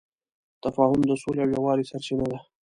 تفاهم د سولې او یووالي سرچینه ده.